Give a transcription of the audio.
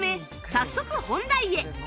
早速本題へ！